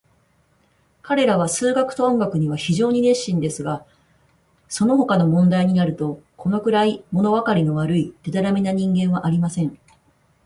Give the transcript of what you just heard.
彼等は数学と音楽には非常に熱心ですが、そのほかの問題になると、これくらい、ものわかりの悪い、でたらめな人間はありません。